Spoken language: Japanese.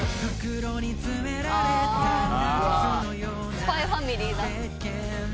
『ＳＰＹ×ＦＡＭＩＬＹ』だ。